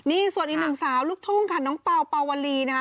นี่ส่วนอีกหนึ่งสาวลูกทุ่งค่ะน้องเปล่าเป่าวลีนะคะ